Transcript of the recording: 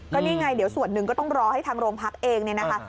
ก็นี่ไงเดี๋ยวส่วนหนึ่งก็ต้องรอให้ทางโรงพักเองเนี่ยนะคะ